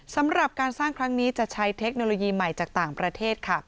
สำหรับการสร้างครั้งนี้จะใช้เทคโนโลยีใหม่จากต่างประเทศค่ะ